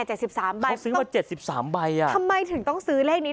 สามใบเขาซื้อมาเจ็ดสิบสามใบอ่ะทำไมถึงต้องซื้อเลขนี้